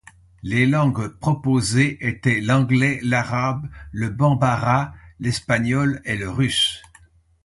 Les langues proposées étaient l’anglais, l’arabe, le bambara, l’espagnol et le russe.